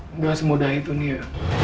enggak semudah itu nia